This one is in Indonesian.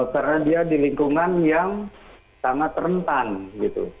karena dia di lingkungan yang sangat rentan gitu